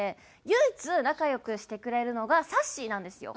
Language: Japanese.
唯一仲良くしてくれるのがさっしーなんですよ。